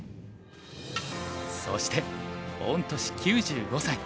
そして御年９５歳。